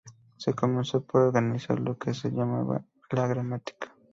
Se comenzó por organizar lo que se llamaba la gramática.